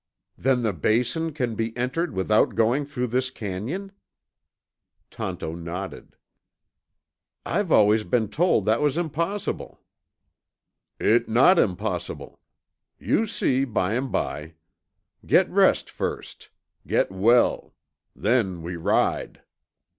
"Then the Basin can be entered without going through this canyon?" Tonto nodded. "I've always been told that was impossible." "It not impossible. You see bimeby. Get rest first. Get well. Then we ride."